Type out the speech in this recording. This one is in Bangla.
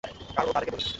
কারণ ও তাদেরকে বলেছে।